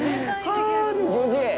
はあ、でも気持ちいい。